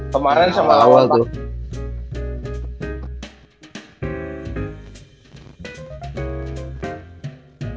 kemaren sama awal tuh